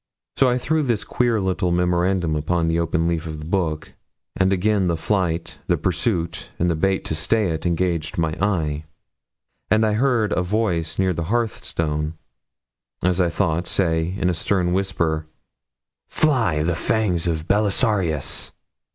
So I threw this queer little memorandum upon the open leaf of the book, and again the flight, the pursuit, and the bait to stay it, engaged my eye. And I heard a voice near the hearthstone, as I thought, say, in a stern whisper, 'Fly the fangs of Belisarius!'